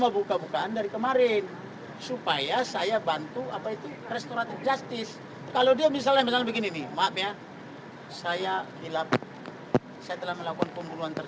bagaimana menurut anda kalau buka bukaan di persidangan akan terlambat